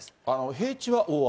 平地は大雨？